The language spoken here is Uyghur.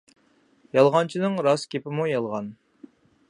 يالغانچىنىڭ راست گېپىمۇ يالغان.